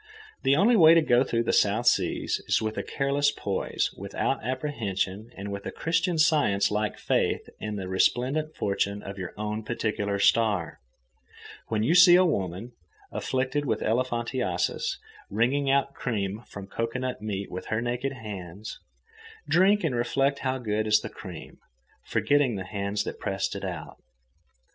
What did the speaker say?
The only happy way to go through the South Seas is with a careless poise, without apprehension, and with a Christian Science like faith in the resplendent fortune of your own particular star. When you see a woman, afflicted with elephantiasis wringing out cream from cocoanut meat with her naked hands, drink and reflect how good is the cream, forgetting the hands that pressed it out.